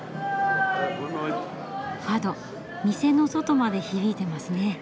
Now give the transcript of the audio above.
ファド店の外まで響いてますね。